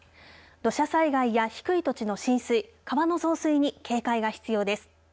土砂災害や低い土地の浸水川の増水に警戒が必要です。